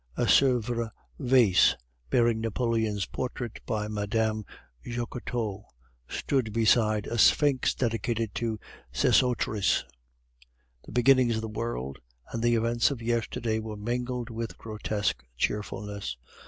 A Sevres vase, bearing Napoleon's portrait by Mme. Jacotot, stood beside a sphinx dedicated to Sesostris. The beginnings of the world and the events of yesterday were mingled with grotesque cheerfulness.